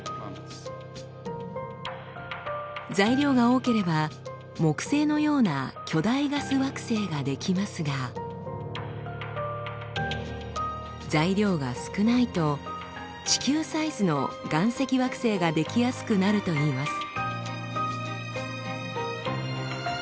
材料が多ければ木星のような巨大ガス惑星が出来ますが材料が少ないと地球サイズの岩石惑星が出来やすくなるといいます。